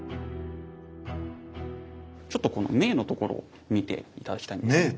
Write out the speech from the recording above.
ちょっとこの銘のところ見て頂きたいんですけど。